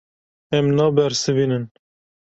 Em nabersivînin.